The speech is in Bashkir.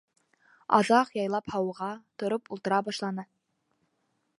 Аҙаҡ яйлап һауыға, тороп ултыра башланы.